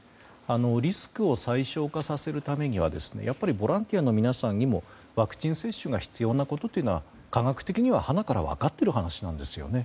リスクを最小化させるためにはやっぱりボランティアの皆さんにもワクチン接種が必要なことは科学的にははなから分かっている話なんですよね。